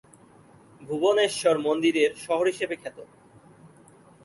ভুবনেশ্বর মন্দিরের শহর হিসেবে খ্যাত।